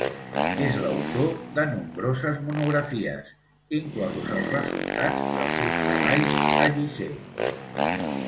És l'autor de nombroses monografies, inclosos els resultats dels seus treballs a Gizeh.